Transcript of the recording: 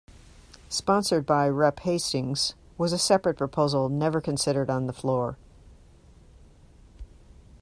sponsored by Rep. Hastings was a separate proposal never considered on the floor.